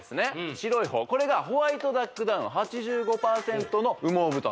白い方これがホワイトダックダウン８５％の羽毛布団